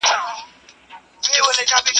که په ښار کي نور طوطیان وه دی پاچا وو.